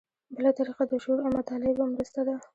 بله طریقه د شعور او مطالعې په مرسته ده.